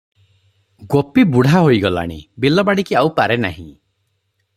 ଗୋପୀ ବୁଢ଼ା ହୋଇଗଲାଣି, ବିଲବାଡ଼ିକି ଆଉ ପାରେ ନାହିଁ ।